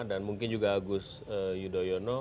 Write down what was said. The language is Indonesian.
dan mungkin juga agus yudhoyono